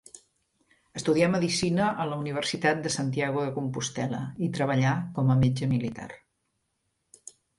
Estudià medicina a la Universitat de Santiago de Compostel·la i treballà com a metge militar.